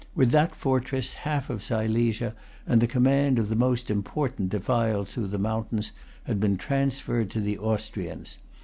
With that fortress, half of Silesia, and the command of the most important defiles through the mountains, had been transferred to the Austrians.